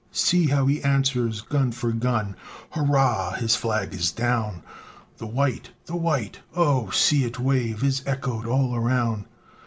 See how he answers gun for gun Hurrah! his flag is down! The white! the white! Oh see it wave! Is echoed all around.